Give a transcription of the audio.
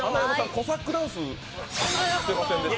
コサックダンス出ませんでした？